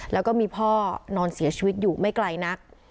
แล้วก็มีพ่อนอนเสียชีวิตอยู่ไม่ไกลนัก